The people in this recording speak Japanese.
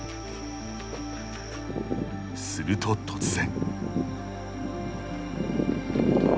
すると突然。